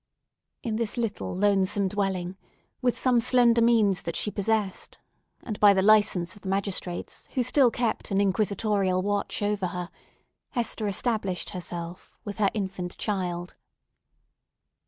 In this little lonesome dwelling, with some slender means that she possessed, and by the licence of the magistrates, who still kept an inquisitorial watch over her, Hester established herself, with her infant child.